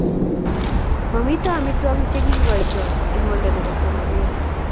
Mamito amitwogik che kikoitoi eng' oldo nebo somanet